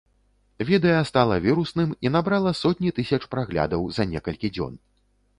Відэа стала вірусным і набрала сотні тысяч праглядаў за некалькі дзён.